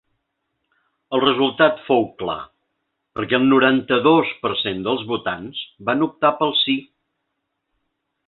El resultat fou clar, perquè el noranta-dos per cent dels votants van optar pel sí.